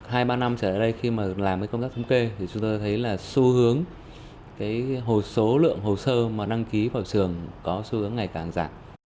hai ba năm trở lại đây khi mà làm cái công tác thống kê thì chúng tôi thấy là xu hướng hồ số lượng hồ sơ mà đăng ký vào trường có xu hướng ngày càng giảm